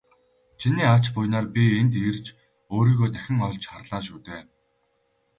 Чиний ач буянаар би энд ирж өөрийгөө дахин олж харлаа шүү дээ.